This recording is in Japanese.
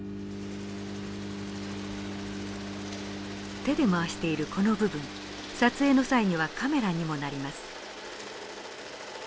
手で回しているこの部分撮影の際にはカメラにもなります。